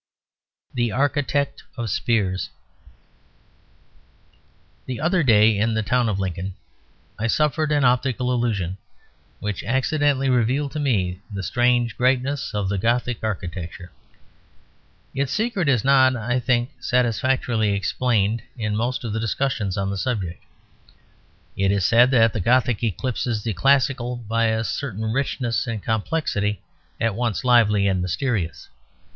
THE ARCHITECT OF SPEARS The other day, in the town of Lincoln, I suffered an optical illusion which accidentally revealed to me the strange greatness of the Gothic architecture. Its secret is not, I think, satisfactorily explained in most of the discussions on the subject. It is said that the Gothic eclipses the classical by a certain richness and complexity, at once lively and mysterious.